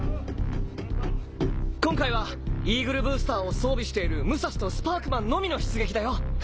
２鵑イーグルブースターを装備しているムサシとスパークマンのみの出撃だよ。